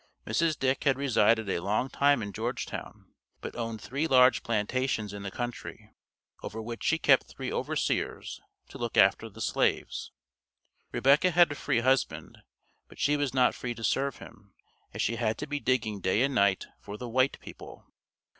Mrs. Dick had resided a long time in Georgetown, but owned three large plantations in the country, over which she kept three overseers to look after the slaves. Rebecca had a free husband, but she was not free to serve him, as she had to be digging day and night for the "white people."